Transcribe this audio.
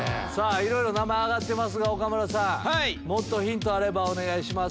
いろいろ名前挙がってますがヒントあればお願いします。